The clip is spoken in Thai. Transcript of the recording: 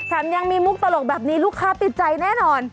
ยังมีมุกตลกแบบนี้ลูกค้าติดใจแน่นอน